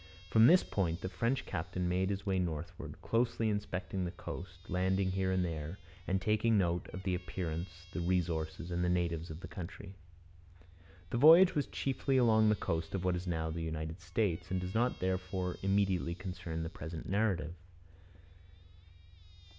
From this point the French captain made his way northward, closely inspecting the coast, landing here and there, and taking note of the appearance, the resources, and the natives of the country. The voyage was chiefly along the coast of what is now the United States, and does not therefore immediately concern the present narrative.